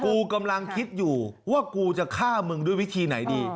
กูกำลังคิดอยู่ว่ากูจะฆ่ามึงด้วยวิธีไหนดี